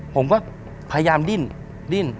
ผมก็พยายามดิ้น